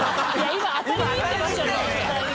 今当たりにいってましたよね